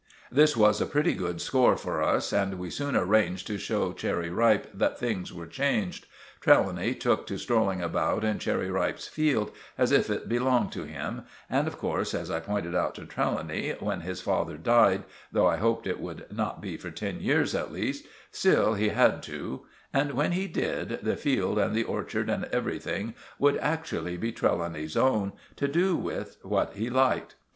This was a pretty good score for us, and we soon arranged to show Cherry Ripe that things were changed. Trelawny took to strolling about in Cherry Ripe's field as if it belonged to him; and, of course, as I pointed out to Trelawny, when his father died, though I hoped it would not be for ten years at least—still he had to—and when he did, the field and the orchard and everything would actually be Trelawny's own, to do what he liked with.